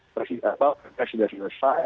presiden sudah selesai